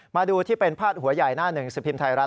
มาดูที่เป็นพาดหัวใหญ่หน้าหนึ่งสิบพิมพ์ไทยรัฐ